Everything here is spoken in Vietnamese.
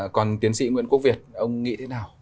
còn tiến sĩ nguyễn quốc việt ông nghĩ thế nào